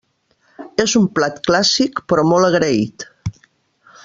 És un plat clàssic, però molt agraït.